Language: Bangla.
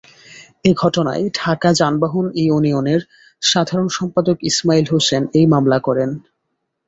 এ ঘটনায় ঢাকা যানবাহন ইউনিয়নের সাধারণ সম্পাদক ইসমাইল হোসেন এই মামলা করেন।